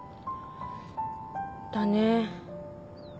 だね。